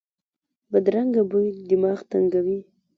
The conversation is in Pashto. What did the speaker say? بدرنګه بوی دماغ تنګوي